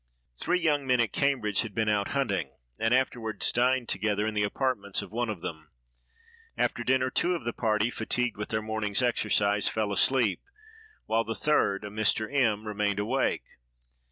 Three young men at Cambridge had been out hunting, and afterward dined together in the apartments of one of them. After dinner, two of the party, fatigued with their morning's exercise, fell asleep, while the third, a Mr. M——, remained awake.